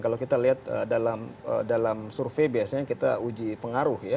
kalau kita lihat dalam survei biasanya kita uji pengaruh ya